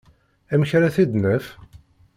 Amek ara t-id-naf?